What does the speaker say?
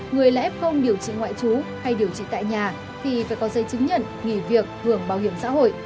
người là f điều trị ngoại trú hay điều trị tại nhà thì phải có giấy chứng nhận nghỉ việc hưởng bảo hiểm xã hội